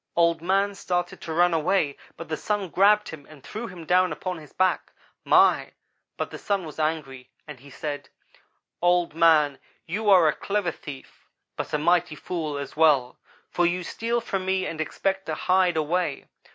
Old man started to run away but the Sun grabbed him and threw him down upon his back. My! but the Sun was angry, and he said: "'Old man, you are a clever thief but a mighty fool as well, for you steal from me and expect to hide away.